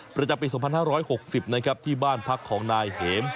ประจำปี๒๕๖๐นะครับที่บ้านพักของนายเห็ม